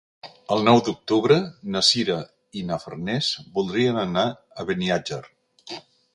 El nou d'octubre na Sira i na Farners voldrien anar a Beniatjar.